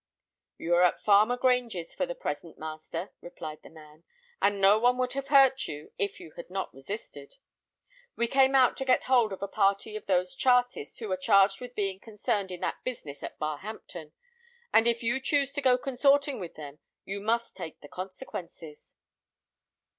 "You are at Farmer Grange's for the present, master," replied the man; "and no one would have hurt you, if you had not resisted. We came out to get hold of a party of those Chartists who are charged with being concerned in that business at Barhampton, and if you choose to go consorting with them, you must take the consequences."